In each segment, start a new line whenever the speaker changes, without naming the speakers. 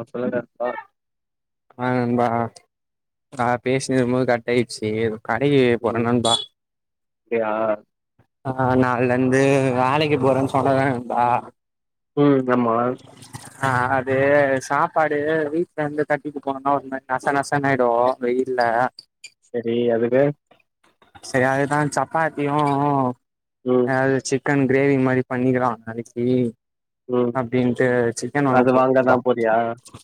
அ சொல்லுங்கப்பா
ஆ நண்பா ஆ பேசினருபோது கட் ஆயிடுச்சி கடைக்கு போறே
ம்
நண்பா
அப்டியா
ஆ நாள்ல இருந்து வேலைக்கு போறேனு சொன்னல நண்பா
உம் ஆமா
ஆ அது சாப்பாடு வீட்ல இருந்து கட்டிட்டு போனேனா ஒன்னு நச நசனு ஆயிடு வெயில
சரி அதுக்கு
செரி அதுதா சப்பாத்தியு
ம்
அது சிக்கன் கிரேவி மாரி பண்ணிகிளா நாளைக்கி
ம்
அப்டின்ட்டு சிக்கன்
அது வாங்கதா
வாங்க
போறியா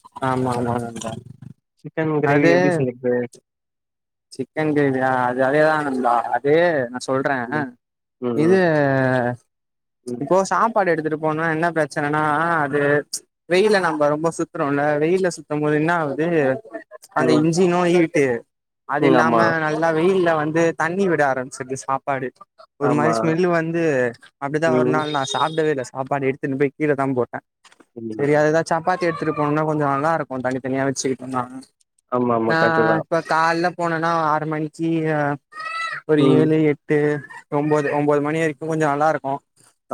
[inaudible] ஆமா ஆமா நண்பா
சிக்கன் கிரேவி
அது
எப்டி செய்றது
சிக்கன் கிரேவியா அது அதேதா நண்பா அது ந சொல்றே
ம்
இது
ம் ம்
இப்போ சாப் ப்பாடு எடுத்துட்டு போனா என்ன பிரச்சனனா அது ம்ச் வெயில நம்ம ரொம்ப சுத்துறோல வெயில சுத்த போது என்ன ஆவுது
ம்
அந்த
ம்
இஞ்சினோயில் க்கே அது
ம்
இல்லாம
ஆமா
நல்லா வெயில்ல வந் ந்து தண்ணி விட ஆரம்பிச்சிருது சாப்பாடு ஒரு மாரி
ஆமா
ஸ்மெல்லு வந்து அப்டிதா ஒரு
ம்
நாள் நா சாப்டவே இல்ல ச சாப்பாடு எடுத்துனு போய் கீழ தா போட்டே
ஐயய்யோ!
சேரி அதுதா சப்பாத் தி எடுத்துட்டு போனா கொஞ்சோ நல்லா இருக்கு தனித்தனியா வச்சுக்கிட்டோனா
ஆமா ஆமா
நா
கரெக்ட்டுதா
இப்ப கால்லப் போனேனா ஆறு மணிக்கி அ ஒரு
ம்
ஏழு எட்டு ஒம்போது ஒம்போது மணி வரைக்கு கொஞ்சோ நல்லாருக்கு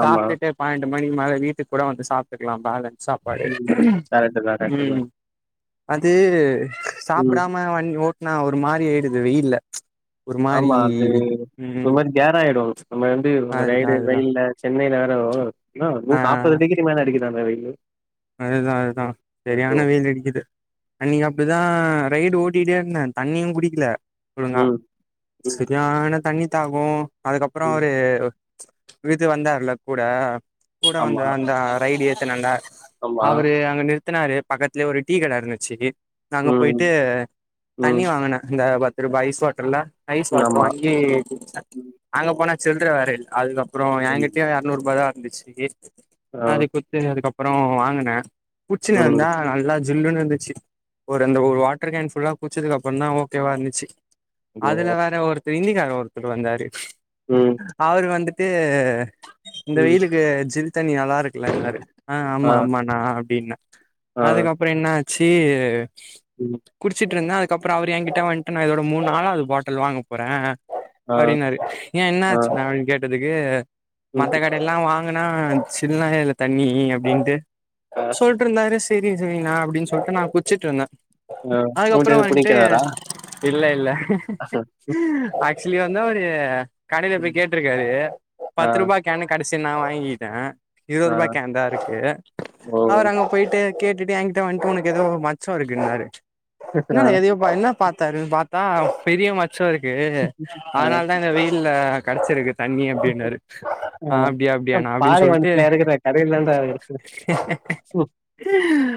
ஆமா
சாப்டுட்டு பன்னெண்டு ம் மணிக்கு மேல வீட்டுக்கூட வந்து சாப்ட்டுக்கலா பேலன் சாப்பாடு
ம் கரெக்ட்டுதா கரெக்ட்டுதா
உம் அது
ம்
சாப்பிடாம வண் ஓட் [unintelligible] ஒரு மாரியாயிடுது வெயில்ல ப்ச்
ஆமா அது ஒரு மாரி கேர்ரா ஆயிடு ப்ச் நம்ம வந்து ர
அதுதா
ரயிடு
அதுதா
ரயில்ல சென்னைல வேறவொ என்னா
ஆ
நூத் நாப்பது டிகிரி மேல அடிக்குது தா இந்த வெயிலு
அதுதா அதுதா செரியான
ஐயோ!
வெயில் அடிக்குது அன்னைக்கு அப்படிதா ரைடு ஓட்டிட்டே இருந்தே தண்ணியு குடிக்கல ஒழுங்கா
ம் ம்
சரியான தண்ணி தாகோ அதுக்கப்பறொ
ம்
ஒரு வீட்டுக் வந்தாருல கூட கூட வந்து
ஆமா
அந்த ரைடு ஏ [unintelligible]
ஆமா
அவரு அங்க நிறு த்துனாரு பக்கத்துலய ஒரு டீ கட இருந்துச்சு நா அங்க
ம்
போயிட்டு
ம்
தண்ணி வாங்குனே இந்த பத் திருப ஐஸ்வாட்டர்ல ஐஸ்
ம்.
வாட்டர்
ஆமா.
வாங்கி குடிச்ச
ம்.
அங்க போனா சில்ற வேறயில் அதுதா அப்றொ
ஐயய்யோ!
எங்கிட்டயு எர்நூறுபாதா இன்வெஸ்ட்டிகேஸ்
ஆ.
அது குத்து அதுக்கப் அப்பறொ வாங் ன குச்சினு
ம்.
வந்தா நல்லா இரு ஜில்லுனு இருந்துச்சு ஒரு அந்த ஒரு
ம்.
வாட்டருகேன் ஃபுல்லா குடிச்சதுக்கு அப்பறந்தா ஓகேவா இருந்துச்சு
ஐயோ!
அதுல வேற ஒருத் ஒரு இந்திக்கார ஒருத்தர் வந்தாரு
ம்.
அவரு வந்துட் ட்டு இந்த
ம்.
வெயிலுக்கு ஜில் தண்ணி நல்லாருக்குல்ல நல்லாருக் ஆ ஆமா ஆமான் ஆ அப்டீன்ன
ஆ.
அதுக்கப்பறோ என்ன ஆச் ச்சீ ஏ
ம்.
குடுச்சிட்ருந்தே அதுக் கப்பறோ அவர் எங்கிட்ட வன்ட்டு நா இதோட மூணு நாலாவது ஃபாட்டுல் வாங்க போறே
ஆ.
அப்டின்னாரு ஏ என்ன
ஆ.
ஆச்சுனா அப்டின்னு கேட்டதுக் ஏ மத்த
ம்.
கடைல்லா வாங் ங்கனா சில்நாயே இல்ல தண்ணி அப்டீன்ட்டு
ஆ.
சொல்டுருந்தாரு ஸ் [unintelligible] நா அப்டின் சொல்ட்டு நா குட்ச்ட்ருந்த
ஆ.
அதுக்கப்பறொ
பேரும்
வன்ட்டு
பிடிக்கிறாரா?
இல்ல இல்ல ஆக்ச்சுலி வந் நோடிய கடெல
ம்.
போய் கேட்ருக்றாரு
ஆ.
பத்து ரூபா கேனு கடெ செர் நா வாங்கி கிட்டே
ஆ.
இருவருபா கேன்தா இருக்கு
ஓ!
அவர் அங்க போயிட்டு ஏ கேட்டுட்டு ஏங்க்கிட்ட வன்ட்டு உனக்கு எதோ மச்சொ இருக்குன்டாரு
ஆ.
ன்னாங்க எதையோப்பா என்ன பாத் தாரு பாத்தா பெரிய மச் ச்சோருக்கு
ஆ.
ஆனாலதா எங்க வீட்ல கெடச்சுருக்கு
ஆ தா
அப்டியாண்ணா அப்டின்னு
பாலை
சொல்ட்டு
வனத்துல இருக்குறே கடையில தாண்டா இருக்குறே சொல்லு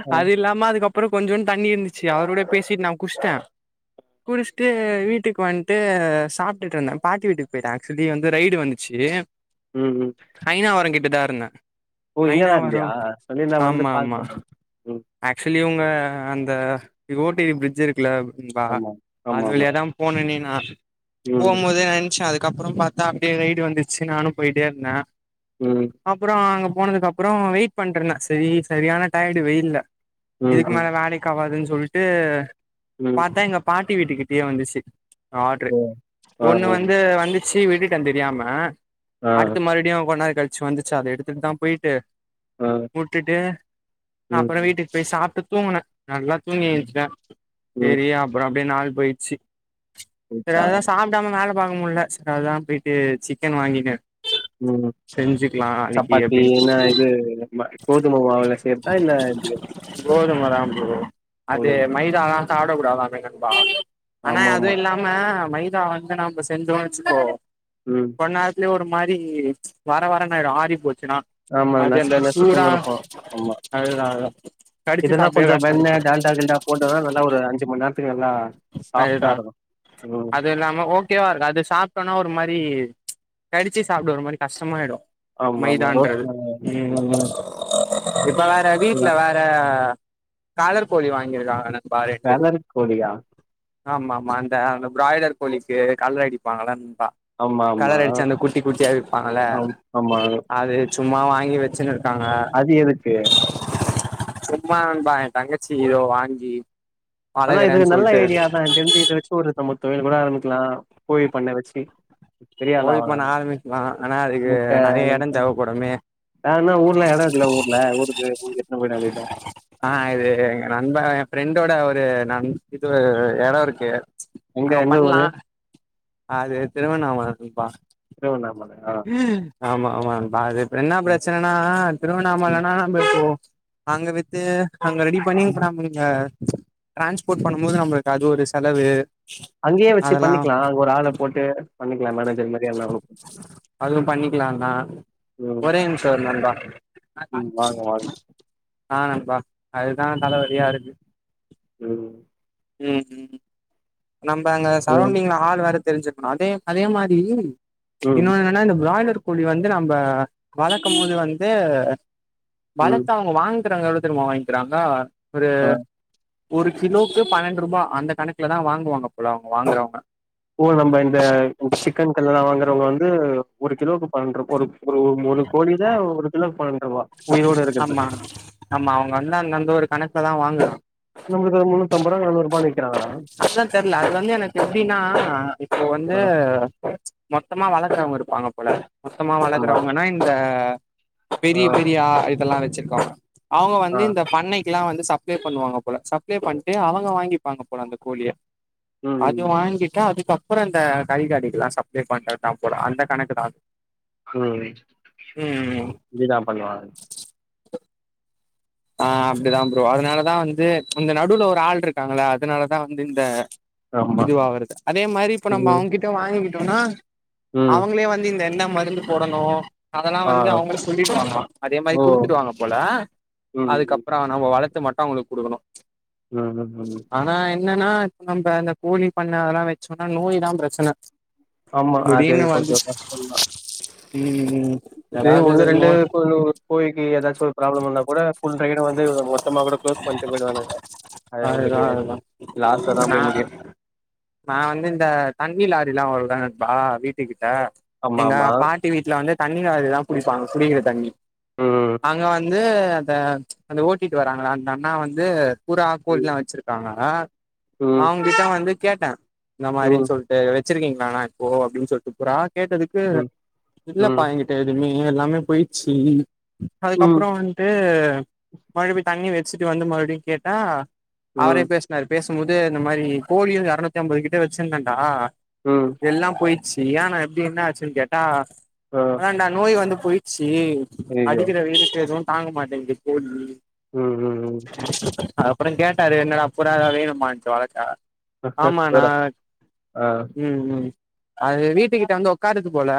ஆ.
அது இல்லாம அதுக்கப்பறொ கொஞ்சோன்டு தண்ணி இருந்துச்சு அவருடய பேசிட் நா குஷ்ட்டே குடுஷ்ட்டு வீட்டுக்கு வன்ட்டு சாப்ட்ருந்தே பாட்டி வீட்டுக் போயிட்டே ஆக்ச்சுலி வந்து ரைடு வந்துச்சு
ம். ம்.
சைனா ஒரங்கிட் தடாருன்னு
ஓ இங்கதா இருந்தியா அ சொல்லி இருந்தா வந்து பாத்துட்டு வந்துரு ம்
ஆ அந்த ஓட்டேரி ப்ரிட்ஜு இருக் குல ம்பா
ஆமா.
அது
ஆமாமா.
வழியா தா போனேனே நா
ம்.
போம்போதே நென்ச்ச அது க்கப்றோ பாத்தா அப்டியே ரைடு வந்துச்சி நானு போயிட்டே இருந்த
ம்.
அப்பறோ அங்க போனதுகப்பறோ வெயிட் பண்ற நா செரி சரியான டயடு வெயில்ல
ம்.
இதுக்கு
ம்.
மேல வேலைக்காவாதுன் சொல்ட்டு
ம்.
பாத்தா எங்க பாட் ட்டி வீட்டுக்கிட்டயே வந்துச்சி ஆட்ரு
ஓ! ஆ.
ஒண்ணு வந்து வந்துச்சி விடு ட தெரியாம
ஆ. ஆ.
அடுத்த மறுப்டியு கொஞ்நேரொ கழ் ச்சு வந்துச்சா அது எடுத்து தா போயிட்டு
ஆ.
உட்டுட்டு
ம்.
அப்பறோ வீட்டுக்கு போய் சாப்ட்டு தூங்குன நல்லா தூங்கி
ம்.
எந்ச்சிட்ட
ம்.
சேரி அப்றோ அப்டியே நாள் போயிட்ச்சி
போச்சா
அதாதா சாப்டாம வேல வாங்க முல்ல செர் அதா போயிட்டு சிக்கன் வாங்கிட்ட
உம் சப்பாத்தி
அப்படின்னு
என்னா இது கோதும கோதும மாவுல்லா சேத்தா இந்த
கோதும
[unintelligible]
சாப்டக்கூடாதாமே நண்பா ஆனா
ஆமா
அதுவு இல்லாம மைதா வந்து நம்ப செஞ்சோனு வச்சுக்கோ
ம்
கொஞ நேரத்துலே ஒரு மாரி வர வர ஆயிடு ஆறி போச்சுன்னா
ஆமா
அது அந்த
நசுக்கு
சூடா
நசுக்குனு இருக்கு ஆமா
அதுதா அதுதா கடிச்சு
இதெல்லா
சாப்டவே
கொஞ்சொ
கஷ்டம்
வெண்ண டால்டா கில்டா போட்டோனா நல்லா ஒரு அஞ்சு மண் நேரத்துக்கு நல்லா சாஃப்டா
அதுதா
இருக்கு ம்
அது இல்லாம ஓகேவா இருக் அது சாப்ட்டோனா ஒரு மாரி கடிச்சி சாப்ட ஒரு மாரி கஷ்டமாய்டு
ஆமா ஆமா
மைதான்றது
ரோட்ல
ம் ம் ம் இப்ப வேற வீட்ல வேற காலர் கோழி வாங் ங்க இருக்க ந
கலர் கோழியா
ஆமா ஆமா அந்த அந்த பிராய்லர் கோழிக்கு கலர் அடிப்பாங்ள
ஆமா ஆமா
கலர் அடிச்சு அந்த குட்டி குட்டியா விப்பாங்ல
ஆம் ஆமா
அது சும்மா வாங்கி வச்சுனு
அது எதுக்கு
சும்மா நண்பா என் தங்கச்சி இத வாங்கி
ஆனா
வளக்றே
இது நல்ல ஐடியா தா தெரிஞ்சு இத வச்சி ஒருத்த மட் தொழில் கூட ஆரம்பிக்லா கோழி பண்ண வச்சு பெரிய ஆள
கோழி
ஆவுல
பண்ண ஆரம்பிக்கலா ஆனா அதுக்கு
முட்ட
நெறைய எடோ தேவப்படுமே
வேற என்ன ஊர்ல எடோ இருக்குல ஊர்ல ஊருக்கு ஊருக்கு எடுத்துனு போயிட [unintelligible]
டோட ஒரு ந இது எடோ இருக்கு
எங்க
அங்க
எந்த
பண்லா
ஊரு
அது திருவண்ணாமல நண்பா
திருவண்ணாமலையா
ஆமா ஆமா நண்பா அப்புறோ என்ன பிரச்சனனா திருவண்ணாமலைனா நம்ளுக்கு அங்க வித்து அங்க ரெடி பண்ணி நம்ப இங்க டிரான்ஸ்போர்ட் பண்ணு போது நம்ளுக்கு அது ஒரு செலவு
அங்கேயே வச்சு
அதெல்லா
பண்ணிக்லா அங்க ஒரு ஆல போட்டு பண்ணிக்லா மேனேஜ் நிம்மதியா இருந்த கூட
பண்லாத ஒரே நிமுசோ இரு நண்பா
ம் வாங்க வாங்க
ஆஹ் நண்பா அதுதான் தலவலியா இருக்கு
உம்
உம் உம் நம்ப அங்க
அது
சரௌண்டிங்ல ஆல் வேற தெரிஞ்சுக்ணு அதே அதே மாரி
ம்
இன்னொன்னு என்னனா இந்த பிராய்லர் கோழி வந்து நம்ம வளக்க போது வந்து
ம்
வளர்த்து அவங்க வாங் [unintelligible] வாங்கிராங்க ஒரு
ஆ
ஒரு கிலோக்கு பன்னெண் ரூபா அந்த கணக்குல தா வாங் வாங்குவாங்க போல அவுங்க வாங்குறவங்க
ஓ நம்ப இந்த சிக்கன் கல்லல்லா வாங்குறவங்க வந்து ஒரு கிலோக்கு பண்ணெண்ருபா [unintelligible] ஒரு முலு கோலி தா ஒரு கிலோன் பாங்க
ஆம்மா ஆமா அவுங்க அண்ணா [unintelligible] அங்க ஒரு கணக்கு அப்பதா வாங்குர
நமக் ஒரு முன்னுத்அம்பத்துருவ நானுருபா நிக்
அத்தா தெர்ல அது வந்து எனக்கு எப்டின்னா இப்போ வந்து
ஆ
மொத்தமா வளத் விக்கிறவுங்க இருப்பாங்க போல மொத்தமா
ஆமா
வளகறவங்கன்னா இந்த
ஆ
பெரிய பெரிய இதெல்லா‌ வச் வச்சிருக்காங்க அவுங்க
ஆ
வந்து இந்த பண்ணை க்லா வந்து சப்ளை பண்ணுவாங்க போல சப்ளை பண்ட்டு அவங்க வாங்கிப்பாங்க போல அந்த கூலிய
ம்
அது வாங்கிட்டு அது கப்பரோ அந்த கறி கடைக்குலா சப்ளை பண்றத்தா போல அந்த கணக்கு தா
ம்
ம்
[unintelligible]
ஆ அப்டிதா ப்ரோ அதனாலதா வந்து இந்த நடுல ஒரு ஆள் இருக்காங்கள அதனாலதா வந்து இந்த
ஆமா
இதுவா வருது அதே மாரி இப்ப நம்போ
ம்
அவுங்கிட்ட வாங்கிக்கிட்டு னா
ம்
அவங்களே வந்து இந்த என்ன ம மருந்து போடணு அதலா
ஆ
வந்து அவுங்ளே சொல்லிடுவாங்களா அதே மாரி
ஓ
குடுத்துடுவாங்க போல
ம்
அதுக்கப்பரோ நம்ம வளத்து மத்தவங்களுக்கு குடுக்கணு
ம் ம்
ஆனா என்னன்னா இப்ப நம்ப அந்த கோலி பண்ண அதெல்லா வச்சோனா நோய் தா பிரச்சன
ஆமா அது
திடீர்னு வந்து
கொஞ்சோ கஷ்டோ தா
ம்
[unintelligible]
ஏதாவது
ஒண்ணு ரெண்டு
நோய்
[unintelligible] போயிட்டு ஏதாச்சும் ப்ராப்ளம் வந்த கூட ஃபுல் ரைட்டு வந்து மொத்தமா கூட க்ளோஸ் பண்ணிட்டு போயிடுவானுங்க அது
அதுதா
நம்மளுக்கு
அதுதா
லாஸ்லதா
நா
போய் முடியும்
எல்லா ஒருதான பா வீட்டுக்கு த்த
ஆமா
எங்க
ஆமா
பாட்டி வீட்டுல வந்து தண்ணி லாரிலதா புடிப்பாங்க குடிக்கிற தண்ணி
உம்
அங்க வந்து அந்த ச்சு அந்த ஓட்டிட்டு வராங்கள அந்த அண்ணா வந்து புறா கோழில்லா வச்சிருக்காங்க ஆஹ
ம்
அவங்க கிட்டா வந்து கேட்டேன் இந்த
ம்
மாறின்னு சொல்லிட்டு வச்சிருக்கீங்களாண்ணா இப்போ அப்படின்னு சொல்ட்டு புறா கேட்டதுக்கு
ம்
இல்லப்பா
ம்
என்கிட்ட எதுவுமே ஏ எல்லாமே போயிச்சு அதுக்கு அப்
ம்
அப்புறோ வந்துட்டு மறுபடி தண்ணி வச்சு வந்து மறுபடியும் கேட்டா
ம் ம்
அவரையும் பேசினாரு பேஸ் ங்கு போது இந்த மாறி கோழிகள் அறநூத்தி அம்பது கிட்ட வச்சிருந்தடா
ம்
எல்லாம் போயிட் சியானம் எப்படி என்ன ஆச்சுன்னு கேட்டா
ஆ
அதான்டா நோய் வந்து போய்ச்சு தீ
ஐயயோ
அடிக்கிற வெயிலுக்கு எதுவும் தாங்க மாட்டேங்கிது கோழி
ம் ம் ம்
அப்புறோ கேட்டாரு என்னடா அப்புறோ வேணுமண்டு அத கட ஆமாண்ணா
வேற ஆ
உம் உம் அது வீட்டு கிட்ட வந்து உக்காருது போல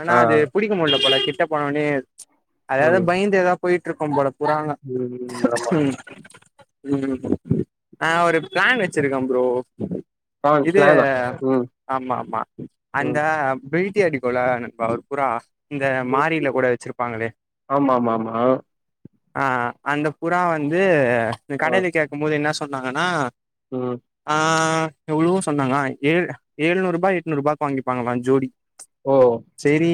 ஆனா
ஆ
அது புடிக்க முடியல போல கிட் கிட்ட போனவுடனே ச்சு அதாது
ம்
பயந்து ஏதாவ் போயிட்டு இருக்கும் போல புராண
ம் ஆமா
உம் ஆ ஒரு பிளேன் வெச்சிருக்க ப்ரோ
பிளான்
இது
பிளானா ம்
ஆமா ஆமா அந்த
ம்
ப்ரீ [unintelligible] பவர்ப்புறா இந்த மாரில கூட வெச்சிருப்பாங்களே
மா
ஆ அந்த புறா வந்து ந்த
ஆ
கடைலக்கேக்கும்போது என்னா சொ சொன்னாங்கனா
ம்
ஆ எவ்ளவோ சொன்னாக ஏல் ஏழ்நூர் ருபா எட்நூறு ரூபாக்கு வாங்கிப்பாங்ளா ஜோடி
ஓ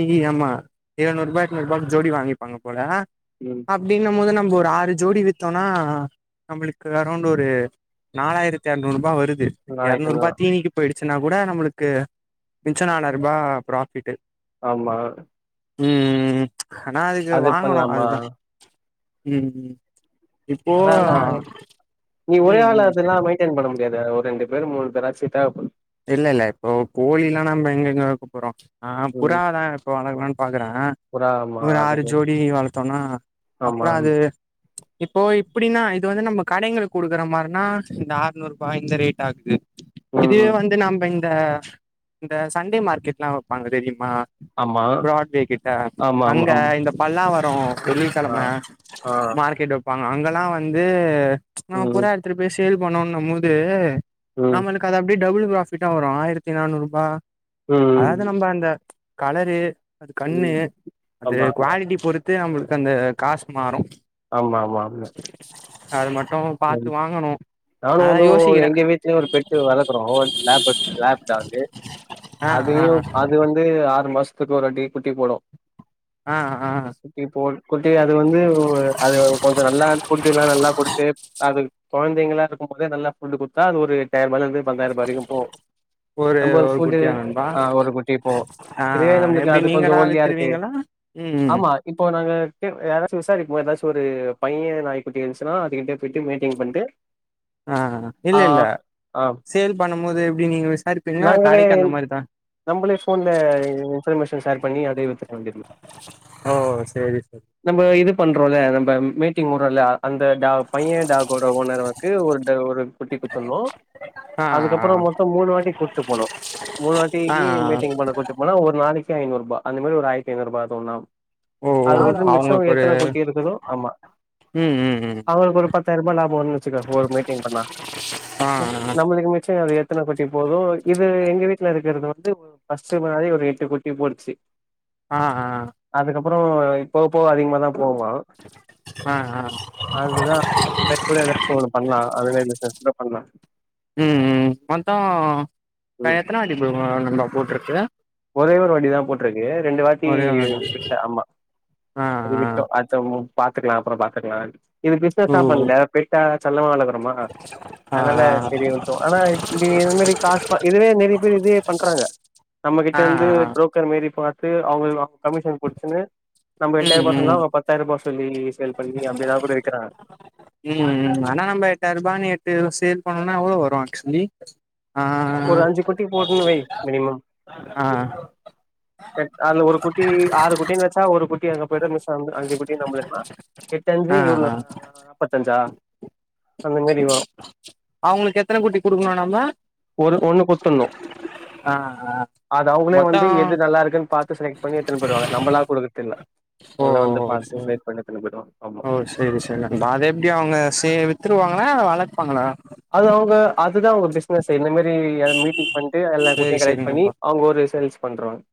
இ ஆமா எழ்நூறுபாய்க்கு [unintelligible] ஜோடி வாங்கி வாங்கப்போல
ம்
அப்டின்ன போது நா ஒரு ஆறு ஜோடி வித்தொனா நம்மளுக்கு அரௌண்ட் ஒரு நாலாயிரத்தி எர்நூறு ரூபா வருது
ஞாயித்து
எரநூறுபா தீனிக்கு பொய்டு ச்சுன்னா கூட நம்மளுக்கு மிச்ச நாலாயிர்ருபா ப்ராஃபிட்டு
ஆமா
உம் ஆனா
அது பண்லாமா
உம் உம்
அதா அதா நீ ஒரே
ம்
ஆளா
ம்
இதெல்லா மெயின்டென் பண்ண முடியாது ஒ ரெண்டு பேரு மூணு பேராச்சு தேவப்படு
இல்ல இல்ல இப்போ கோழிலா நம்ம எங்கெங்கே வெக்க போறோ ஆ
ம்
புறா தா இப்போ வழக்லான் பாக்குறே
புறா ஆமா
ஒரு ஆறு
அதுக்கு
ஜோடி வளத்தோனா
ஆமா
அப்றோ அது இப்போ இப்டின்னா இது வந்து நம்ம கடைங்களுக்கு குடுக்குற மார்னா இந்த ஆர்நூறு ரூபா இந்த ரேட் ஆகுது
ம்
இது
ம்
வந் நம்பெந்த இந்த சண்டே மார்க்கெட்லா வெப்பாங்க தெரியுமா
ஆமா
ப்ராட்வே கிட்ட
ஆமா ஆமா
அங்க
ஆமா
இந்த பல்லாவர் அவ்
ஆ
வெள்ளிக்கெழம
ஆ
மார்க்கெட்டப் ப்பாங்க அங்கலா வந்து நம்ம
ம்
புரா எடுத்துட் பேஷ் சேல் பண்ணோன்னம் போது
ம்
நமளுக்கு அத அப்டி டபிள் ப்லாக் ஃபிட்டா வரும் ஆயிரத்தி நானூறு ரூபா அதாவது
ம்
நம்ப அந்த கலரு அது கண்ணு,
ம்
அது
ஆமா
க்வாலிட்டி பொறுத் இதே நம்மளுக்கு அந்த காசு மாறும்
ஆமா ஆமா அதுல
அது மட்
நானும் [unintelligible]
யோசிக்கிறேன்
எங்க வீட்லயும் ஒரு பெட்டு வளக்குறோம் வ லாபர் லாப்டாகு
ஆ ஆ
அதயும் அது வந்து ஆறு மாசத் த்துக்கு ஒரு வாட்டி குட்டி போடும்
ஆ ஆ
குட்டி போட் குட்டி அது வந்து ஒ அது கொஞ்சோ நல்லா ஃபுட்டு எல்லாம் நல்லா குடுத்து கொழந்தைங்களா இருக்கும் போதே நல்லா ஃபுட்டு குடுத்தா அது ஒரு எட்டாய்ர ரூபாய்லருந்து பத்தாயிரம் ரூபாய் வரைக்கும் போவு, நம்ம ஒரு ஃபுட்டு ஆஹ் ஒரு குட்டி போவு,
ஆ
இதுவே நம்மளுக்கு
எப்டி
அது கொஞ்சம்
நீங்களா
ஒல்லியா இருக்கு,
வித்துருவீங்களா ம்
ஆமா இப்போ நாங்க தே யாராச்சும் விசாரிப்போம் ஏதாச்சும் ஒரு பையன் நாய்க் குட்டி இருந்துச்சன்னா அதுக்கிட்ட பெட்டு மேட்டிங் பண்ட்டு
ஆஹ் ஆஹ் ஆஹ் இல்ல இல்ல
ஆ
சேல் பண்ணும் போது எப்டி நீங்க விசாரிப்பீங்களா
நாங்களே
கடைக்கு அந்த மாரிதான்,
நம்மளே ஃபோன்ல இன்ஃபர்மேஷன் ஷேர் பண்ணி அதே வித்துற வேண்டியது
ஓ சேரி சேரி
போலே நம்ப மீட்டிங் மூட்றோல அந்த டா பையன் டாக்கோட ஓனரவக்கு ஒரு ட ஒரு குட்டி குத்துணும்,
ஆ ஆ
அதுக்கப்புறம் மொத்தம் மூணு வாட்டி கூட்டு போணும் மூணு
ஆ
வாட்டிக்கு
ஆ
மேட்டிங் பண்ண கூட்டு போனா ஒரு நாளைக்கு ஐநூறு பா அந்த மாரி ஒரு ஆயிரத்தைந்நூறு அது ஒண்ணாவ்
ஓ அவங்களுக் ஒரு
இருக்குதோ ஆமா
உம் உம் உம்
அவங்களுக்கு ஒரு பத்தாயர் ரூபா லாப் ஒன்னு வச்சுக்க ஒரு மேட்டிங் பண்ணா,
ஆ ஆ
நம்ம இதுக்கு மிச்சம் அது எத்தன குட்டி போதூ இது எங்க வீட்டுல இருக்குறது வந் வந்து ஃபஸ்ட் முன்னாடி ஒரு எட்டு குட்டி போட்டுச்சு
ஆஹ் ஆஹ்
அப்புறோ இப் போகப்போக அதிகமா தா
ஆஹ் ஆஹ்
அதுதான் அந்த மெட் கூட ஏதாச்சும் ஒண்ணு பண்லாம் அ அதலே இல்ல சார் தோ பண்லாம்
உம் உம் மொத்தோ அ எத்தன வாட்டி ப்ரோ நம்ம போட்ருக் கிரா
ஒரேவொரு வாட்டி தா போட்ருக்கு ரெண்டு வாட்டி
ஒரே ஒரு வாட்டி
விட்ல ஆமா
ஆ
அது
ஆ
விட்டோ அத்தம்மம் பாத்துக்லா அப்ற பாத்துக்லான் இது
ஓ
பிஸ்னஸா பண்ல பெட்டா செல்லமா வளக்குறோமா
ஆ
அதுனால
ஆ
செரி விட்டோ ஆனா இப் இங்க இது மாரி காசு பா இதுவே நெறைய பேர் இதுவே பண்றாங்க கிட்ட
ஆ
இருந்து
ஆ
ப்ரோக்கர் மாரி ரி பாத்து அவ்ங்க அவ கமிஷன் புட்ச்சுன்னு நம்ப எட்டாயிர்ருபா சொன்னா அவ்ங்க பத்தாயர்ருபா சொ
உம் உம் ஆனா நம்ப எட்டாயர்ரூபானு எட்த்து இதுவு சேல் பண்ணோனா எவ்வளோ வரு ஆக்சுவலி ஆ
ஒரு அஞ்சு குட்டி போட்னு வை மினிமம்
ஆ
அதுல ஒரு குட்டி ஆறு குட்டின் வச்சா ஒரு குட்டி ட்டி அங்க போய்தா மிஸ் அங்க அங்கை கூட்டி நம்பளுக்தா எட்டஞ்சு
ஆ ஆ
எவ்ளோ நாப்பத்தஞ்சா அந்த மாரி வரு
அவங்களுக்கு எத்தன குட்டி குடுக்கணு நம்ம
ஒரு ஒன்னு குட்த்துன்னு
ஆ ஆ
அது அவ்ங்களே
மொத்தோ
வந்து எது நல்லா இருக்குன் பாத்து செலக்ட் பண்ணி எட்த்துன்னு போயிடுவாங்க நம்மளா குடுக்கற்தில்
ஓ
அவள வந்து பாத்து
சரி
செலக்ட் பண்ணி எட்த்துன்னு போய்டுவா
ஓ செரி சொல் அப்டின் நா அத எப்டி அவ்ங்க சே வித்துருவ விப்பாங்களா வளர்பாங்களா
அது அவ்ங்க அதுதா அவ்ங்க பிஸ்னஸே இந்த மாரி அங் மீட்டிங் பண்ட்டு எல்லா
சேரி
குட்டியையு
சேரி
கலெக்ட்
நண்பா
பண்ணி அவ்ங்க ஒரு சேல்ஸ் பண்றோ ஒரு